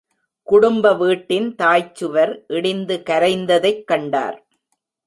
குடும்ப வீட்டின் தாய்ச் சுவர் இடிந்து கரைந்ததைக் கண்டார்.